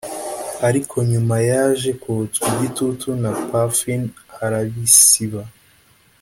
ariko nyuma yaje kotswa igitutu na Parfine arabisiba